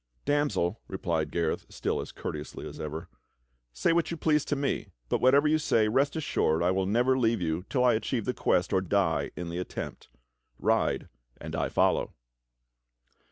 "Damsel," replied Gareth still as courteously as ever, "say what you please to me, but whatever you say, rest assured I will never leave you till I achieve the quest, or die in the attempt. Ride and I follow."